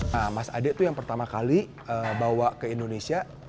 nah mas ade tuh yang pertama kali bawa ke indonesia